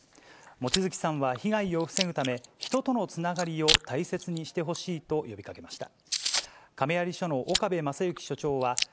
望月さんは被害を防ぐため、人とのつながりを大切にしてほしいと呼びかけました。